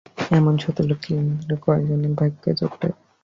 এমন সতীলক্ষ্মী স্ত্রী কয়জনের ভাগ্যে জোটে?